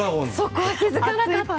そこは気づかなかった。